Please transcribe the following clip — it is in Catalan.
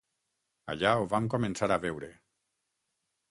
Allà ho vam començar a veure.